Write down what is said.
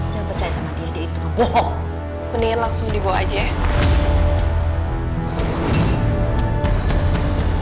saya percaya sama dia dia itu bohong mendingan langsung dibawa aja